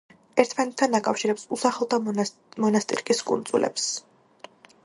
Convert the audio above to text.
ერთმანეთთან აკავშირებს უსახელო და მონასტირკის კუნძულებს.